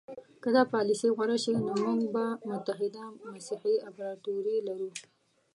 که دا پالیسي غوره شي نو موږ به متحده مسیحي امپراطوري لرو.